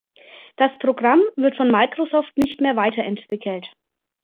Das Programm wird von Microsoft nicht mehr weiterentwickelt.